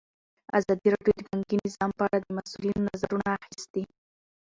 ازادي راډیو د بانکي نظام په اړه د مسؤلینو نظرونه اخیستي.